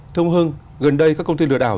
thưa ông hương gần đây các công ty lừa đảo